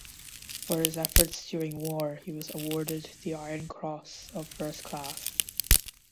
For his efforts during war he was awarded the Iron Cross of first class.